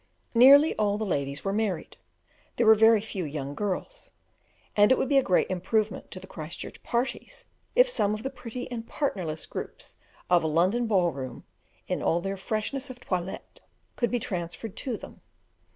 Nearly all the ladies were married, there were very few young girls; and it would be a great improvement to the Christchurch parties if some of the pretty and partnerless groups of a London ball room, in all their freshness of toilette, could be transferred to them.